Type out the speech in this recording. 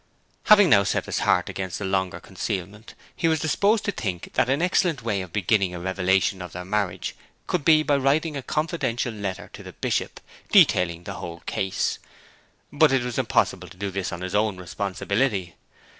Having now set his heart against a longer concealment he was disposed to think that an excellent way of beginning a revelation of their marriage would be by writing a confidential letter to the Bishop, detailing the whole case. But it was impossible to do this on his own responsibility.